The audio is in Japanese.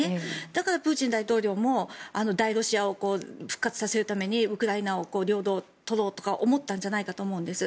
だからプーチン大統領も大ロシアを復活させるためにウクライナを領土を取ろうとか思ったんじゃないかと思うんです。